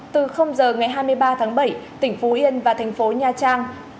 từ giờ ngày hai mươi ba tháng bảy tỉnh phú yên và thành phố nha trang